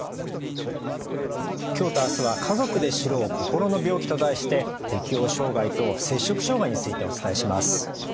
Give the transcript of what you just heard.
今日と明日は「家族で知ろう心の病気」と題して適応障害と摂食障害についてお伝えします。